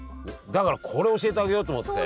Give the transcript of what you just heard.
だからこれ教えてあげようと思って。